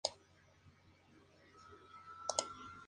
Ken Tucker, de "Entertainment Weekly", le dio una A−.